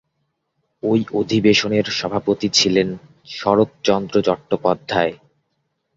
ঐ অধিবেশনের সভাপতি ছিলেন শরৎচন্দ্র চট্টোপাধ্যায়।